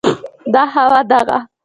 دا هوا، دغه